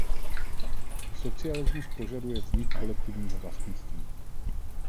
Socialismus požaduje vznik kolektivního vlastnictví.